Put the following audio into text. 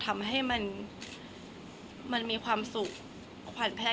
คนเราถ้าใช้ชีวิตมาจนถึงอายุขนาดนี้แล้วค่ะ